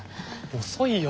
遅いよ！